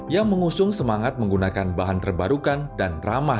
yang mengusung semangat menggunakan bahan terbarukan dan ramah